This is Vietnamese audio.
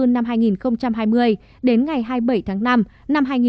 năm hai nghìn hai mươi đến ngày hai mươi bảy tháng năm